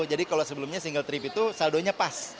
jadi kalau sebelumnya single trip itu saldonya pas